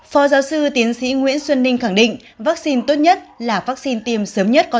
phó giáo sư tiến sĩ nguyễn xuân ninh khẳng định vắc xin tốt nhất là vắc xin tiêm sớm nhất có